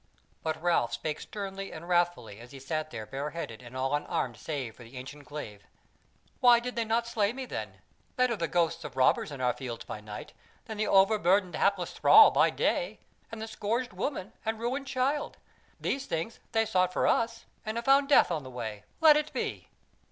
But Ralph spake sternly and wrathfully as he sat there bareheaded and all unarmed save for the ancient glaive: "Why did they not slay me then? Better the ghosts of robbers in our fields by night, than the over burdened hapless thrall by day, and the scourged woman, and ruined child. These things they sought for us and have found death on the way let it be!"